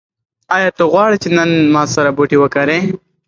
ایا ته غواړې چې نن ما سره بوټي وکرې؟